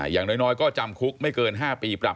อย่างน้อยก็จำคุกไม่เกิน๕ปีปรับ